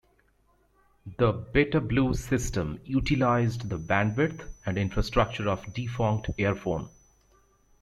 The "BetaBlue" system utilized the bandwidth and infrastructure of defunct Airfone.